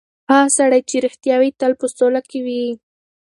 هغه سړی چې رښتیا وایي، تل په سوله کې وي.